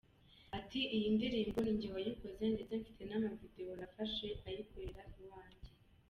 Ati “Iyi ndirimbo nijye wayikoze ndetse mfite n’amavidewo nafashe ayikorera iwanjye.